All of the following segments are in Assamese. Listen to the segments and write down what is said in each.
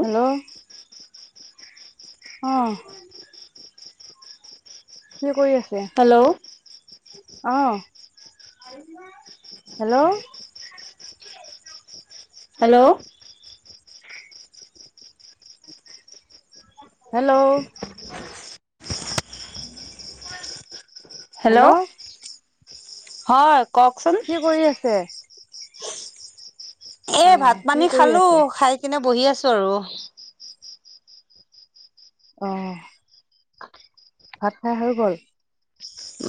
হেল্ল'! অ [unintelligible] কি কৰি আছে? হেল্ল'! অ হেল্ল'। হেল্ল'। হেল্ল'। [unintelligible] হেল্ল' হয় কওকচোন কি কৰি আছে? অ এ' ভাত কি পানী কৰি খালো আছে খাই কেনে বহি আছো আৰু। অ' ভাত খাই হৈ গ'ল?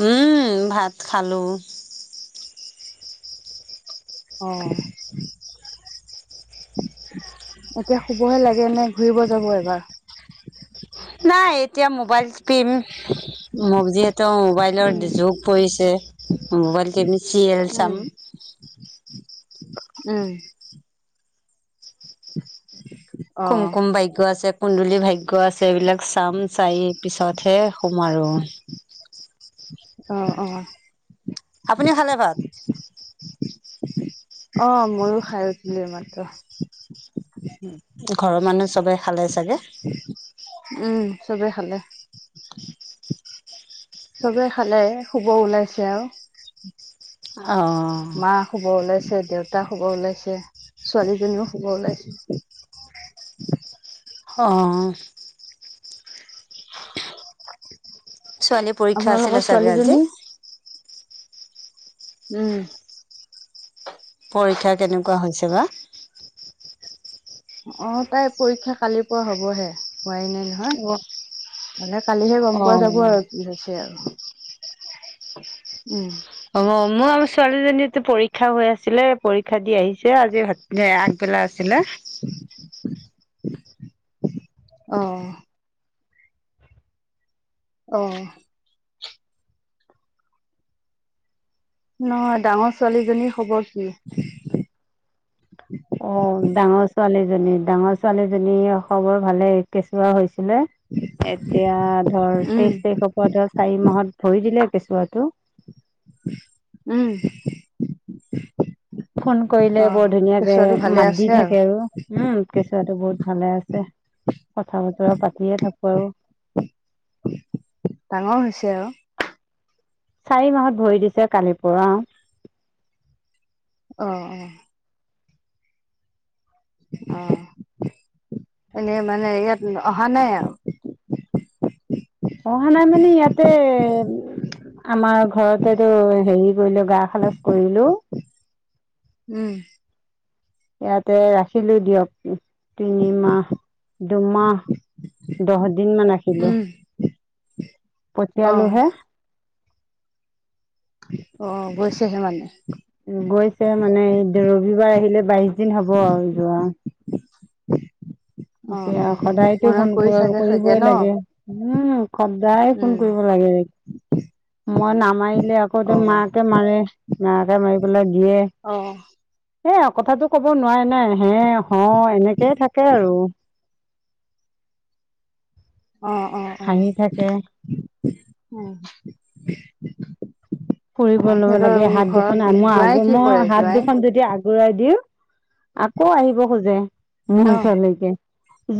উম' ভাত খালো। অ' এতিয়া শুবহে লাগে নে ঘুৰিব যাব এবাৰ? নাই এতিয়া মোবাইল টিপিম ম যিহেতু মোবাইল উম [unintelligible] যুগ পৰিছে মোবাইল টিপি চিৰিয়েল চাম উম উম'। [unintelligible] কুমকুম ভাগ্য আছে কুন্দুলী ভাগ্য আছে এইবিলাক চাম চাই পিছতহে শুম আৰু আহ আহ। আপুনি খালে ভাত? অ' ময়ো খাই উঠিলো এই মাত্ৰ। ঘৰৰ মানুহ চবে খালেই চাগে? উম' চবে খালে চাবেই খালে শুব ওলাইছে আৰু। অ' মা শুব ওলাইছে দেউতা শুব ওলাইছে ছোৱালীজনীও শুব ওলাইছে। হ'। ছোৱালী পৰীক্ষা আছিলে আপোনালোকৰ চাগে আজি ছোৱালীজনী উম' পৰীক্ষা কেনেকুৱা হৈছে বা? অ' তাইৰ পৰীক্ষা কালিৰ পৰা হবহে হোৱাই নাই। হাহ মানে কালিহে গম অ পোৱা যাব আৰু অ কি হৈছে আৰু। উম'। অ' মোৰ ছোৱালীজনীতো পৰীক্ষা হৈ আছিলে পৰীক্ষা দি আহিছে আজি দে আগবেলা আছিলে। অ'। অ'। নহয় ডাঙৰ ছোৱালী জনীৰ খবৰ কি? অ ডাঙৰ ছোৱালীজনী ডাঙৰ ছোৱালীজনী খবৰ ভালে কেঁচুৱা হৈছিলে। এতিয়া ধৰ উম তেইশ তাৰিখৰ পৰা ধৰ চাৰি মাহত ভৰি দিলে কেচুৱাটো। উম'। ফোন কৰিলে অ বৰ ধুনীয়াকে কেঁচুৱাটো ভালে মাত দি আছে থাকে আৰু। উম' কেচুৱাটো বহুত ভালে আছে কথা বতৰা পাতিয়ে থাকো আৰু। ডাঙৰ হৈছে আৰু। চাৰি মাহত ভৰি দিছে কালি পৰা। অ', অ, অ', এনেই মানে ইয়াত অহা নাই আৰু অহা নাই, মানে ইয়াতে আমাৰ ঘৰতেটো হেৰি কৰিলে গা খালাজ কৰিলো। উম', ইয়াতে ৰাখিলো দিয়ক। তিনিমাহ দুমাহ দহ দিন মান ৰাখিলো। উম [inaudible] অ পঠিয়ালো হে অ', গৈছেহে মানে গৈছে, মানে এই ৰবিবাৰ আহিলে বাইশ দিন হ'ব আৰু যোৱা অ এতিয়া অ সদায়তো মনত ফোন পৰি চাগে চাগে কৰিবই ন লাগে। উম, সদায় উম ফোন কৰিব লাগে। মই নামাৰিলে আকৌ অ মাকে মাৰে মাকে মাৰি পেলাই দিয়ে। অ', এয়া কথাটো ক'ব নোৱাৰে ন হে হ এনেকেই থাকে আৰু অ', অ, হাঁহি থাকে। উম', ফুৰিব ল'ব লাগে। হাত দুখন মই আগ জোৱাই কি মই কৰে হাত জোৱাই? দুখন যদি আগ বঢ়াই দিও আকৌ আহিব খোজে মোৰ অ ওচৰলৈকে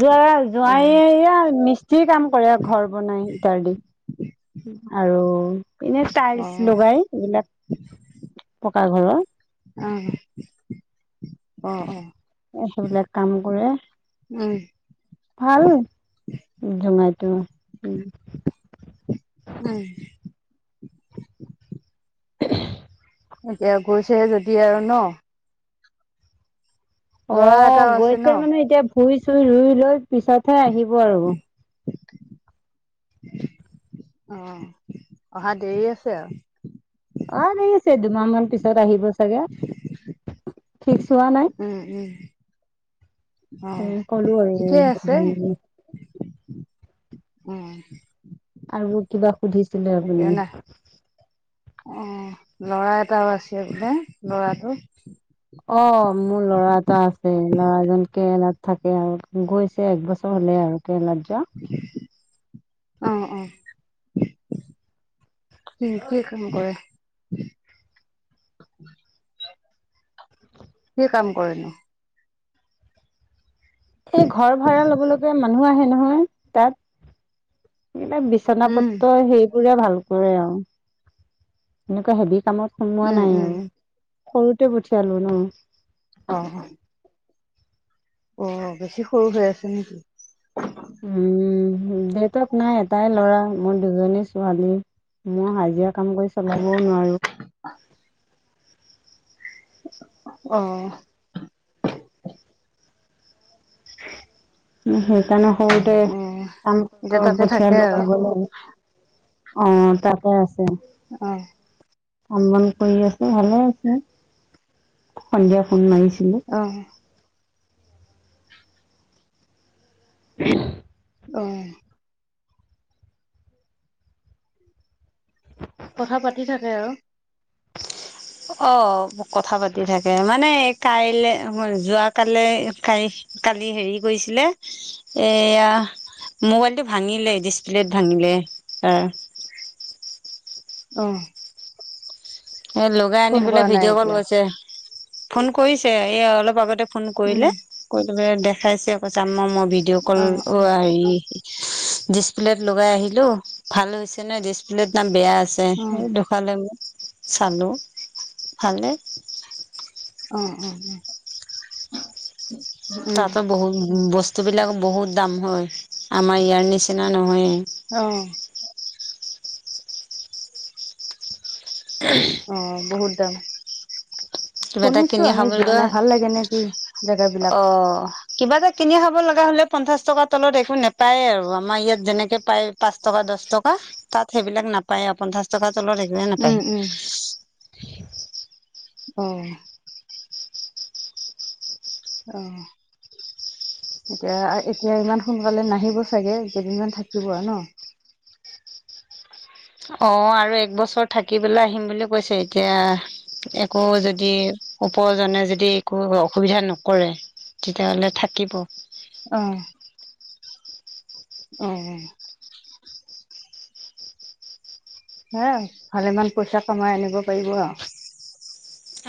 যোৱাৰ অ জোৱাইয়ে এয়া মি যি কাম কৰে, আৰু ঘৰ বনাই ইত্যাদি আৰু এনে অ টাইলছ লগাই এইবিলাক পকা ঘৰৰ আহ অ', অ, সেইবিলাক কাম কৰে উম ভাল জোঙাইটো, উম, উম', এতিয়া গৈছেহে যদি আৰু ন, ল'ৰা অ', এটাও আছে ন গৈছে মানে এতিয়া ভুই চুই ৰুই লৈ পিছতহে আহিব আৰু অ', অহা দেৰি আছে আৰু অ', দেৰি আছে। দুমাহ মান পিছত আহিব চাগে ফিক্স হোৱা নাই। উম', উম, অ, এনে ক'লো ঠিকেই আছে। আৰু উম', আৰু কিবা সুধিছিলে এতিয়া না আপুনি। অ', লৰা এটাও আছে বোলে। লৰাটো অ', ল'ৰা এটা আছে। ল'ৰাজন নাথাকে আৰু গৈছে এক বছৰ হলে আৰু [unintelligible] [unintelligible] অ', অ, কি কি কাম কৰে? কি কাম কৰিনো? এই ঘৰ ভাড়া লব লগে মানুহ আহে নহয় তাত কিব উম বিচনাপত্ৰ সেইবোৰে ভাল আৰু এনেকুৱা হেভি কামত সোমোৱা উম নাই উম মানে সৰুতে পঠিয়ালো ন অ', অ বেছি সৰু হৈ আছে নেকি? উম দেউতাক নাই এটাই ল'ৰা মোৰ। দুজনী ছোৱালী মই হাজিৰা কাম কৰি চলাবও নোৱাৰো। অ। [unintelligible] উম সেইকাৰণে সৰুতে অ কাম এতিয়া অ তাতে থাকে পঠিয়ালো আৰু কৰিবলে। অ তাতে আছে। অ। কাম -বন কৰি আছে ভালে আছে সন্ধিয়া ফোন মাৰিছিলে। অ। উঘ্। অ। কথা পাতি থাকে আও। [unintelligible] অ কথা পাতি থাকে মানে কাইলৈ যোৱ কালে কাই। কালি হেৰি কৰিছিলে। এয়া মোবাইলটো ভাঙিলে ডিচপ্লেত ভাঙিলে অ। অ। এ লগাই আনি ফোন পেলাই কৰা নাই ভিডিঅ' কল এতিয়া, কৈছে। ফোন কৰিছে এই অলপ আগতে ফোন উম, কৰিলে কৰিলৈ পেলে দেখাইছে ভিডিঅ' কল অ আ হেৰি। ডিচপ্লেত লগাই আহিলো ভাল হৈছে ন ডিচপ্লে ত নাম বেয়া আছে। আছে অ', সেই দেখালে মোক চালো ভালে। অ অ। উম, তাতো বহুত বস্তু বিলাক বহুত দাম হয় আমাৰ ইয়াৰ নিচিনা নহয়ে। অ। অ বহুত দাম। কিবা এটা শুনিছো কিনি আমি খাব যোৱা লোৱা নাই, ভাল লাগে নে কি? জেগাবিলাক, অ। কিবা এটা কিনি খাব লগা হলে পঞ্চাশ টকাৰ তলত একো নেপায়েই আৰু আমাৰ ইয়াত যেনেকে পায়। পাঁচ টকা, দহ টকা তাত সেইবিলাক নাপায় আৰু পঞ্চাশ টকাৰ তলত একেৱে নাপায়। উম, উম, অ। অ। এতিয়া এতিয়া ইমান সোনকালে নাহিব চাগে কেইদিনমান থাকিব আৰু ন। অ আৰু এক বছৰ থাকিপেলে আহিম বুলি কৈছে এতিয়া। একো যদি উপাৰজনে যদি একো অসুবিধা নকৰে। তেতিয়াহ'লে থাকিব। অ। অ অহ। হ ভালেমান পইচা কমাই আনিব পাৰিব আৰু।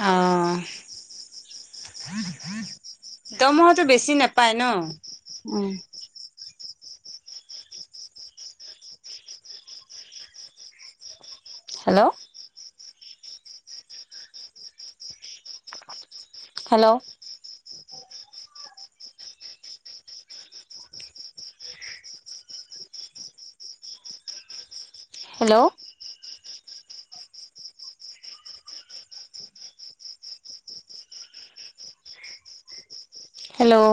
আহঁ। দৰমহাটো বেছি নাপায় ন। উম। হেল্ল'। হেল্ল'। হেল্ল'। হেল্ল'।